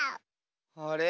あれ？